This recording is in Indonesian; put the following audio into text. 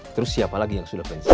terus siapa lagi yang sudah pensiun